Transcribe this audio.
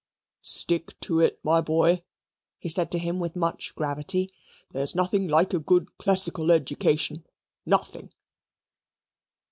"Stick to it, my boy," he said to him with much gravity, "there's nothing like a good classical education! Nothing!"